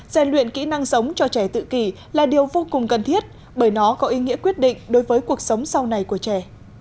dàn luyện kỹ năng sống cho trẻ tự kỷ là điều vô cùng cần thiết bởi nó có ý nghĩa quyết định đối với cuộc sống sau này của trẻ